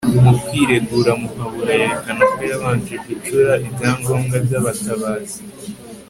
mu kwiregura muhabura yerekana ko yabanje gucura ibyangombwa by'abatabazi